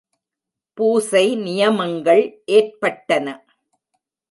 பூசை நியமங்கள் ஏற்பட்டன.